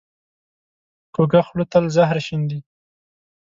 کوږه خوله تل زهر شیندي